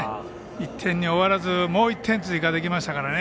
１点に終わらずもう１点追加できましたからね。